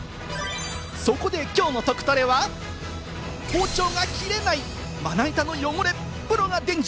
そこで今日のトクトレは、包丁が切れない、まな板の汚れ、プロが伝授。